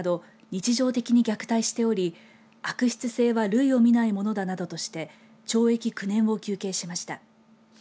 日常的に虐待しており悪質性は類を見ないものだなどとして懲役９年を求刑しました。